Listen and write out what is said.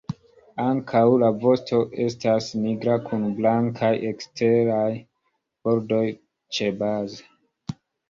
Ankaŭ la vosto estas nigra kun blankaj eksteraj bordoj ĉebaze.